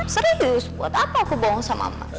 serius buat apa aku bohong sama emak